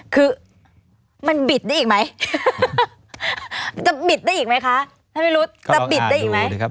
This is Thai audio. คือมันบิดได้อีกไหมจะบิดได้อีกไหมคะท่านไม่รู้จะบิดได้อีกไหม